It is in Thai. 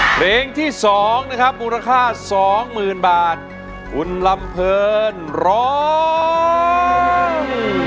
เพลงที่สองนะครับมูลค่าสองหมื่นบาทคุณลำเพลินร้อง